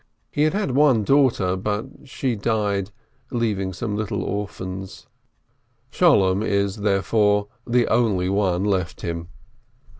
He had had one daughter, but she died, leaving some little orphans. Sholem is, there fore, the only one left him.